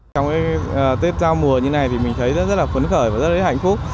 trong cái tết giao mùa như này thì mình thấy rất là phấn khởi và rất là hạnh phúc